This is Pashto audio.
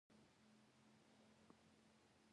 خو دا ځل یې له پنځلسو ورځو زیات وخت ونه نیوه.